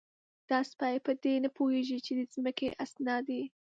_دا سپۍ په دې نه پوهېږي چې د ځمکې اسناد دي؟